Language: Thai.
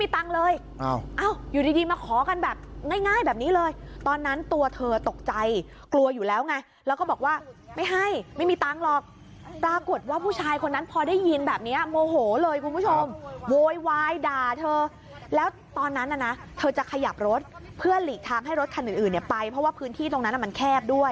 ตอนนั้นนะนะเธอจะขยับรถเพื่อหลีกทางให้รถคันอื่นไปเพราะว่าพื้นที่ตรงนั้นมันแคบด้วย